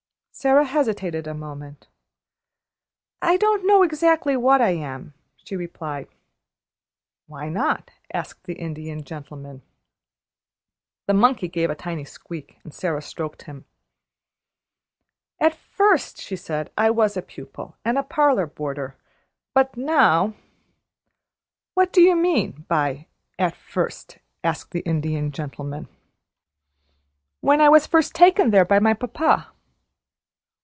Sara hesitated a moment. "I don't know exactly what I am," she replied. "Why not?" asked the Indian Gentleman. The monkey gave a tiny squeak, and Sara stroked him. "At first," she said, "I was a pupil and a parlor boarder; but now " "What do you mean by `at first'?" asked the Indian Gentleman. "When I was first taken there by my papa."